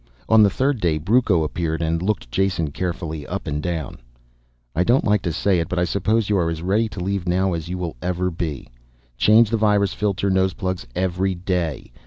On the third day, Brucco appeared and looked Jason carefully up and down. "I don't like to say it, but I suppose you are as ready to leave now as you ever will be. Change the virus filter noseplugs every day.